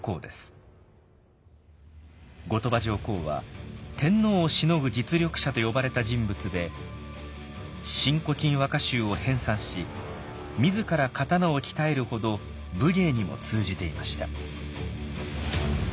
後鳥羽上皇は天皇をしのぐ実力者と呼ばれた人物で「新古今和歌集」を編さんし自ら刀を鍛えるほど武芸にも通じていました。